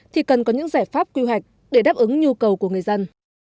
thì cần có những giải pháp quy hoạch để đáp ứng nhu cầu của người dân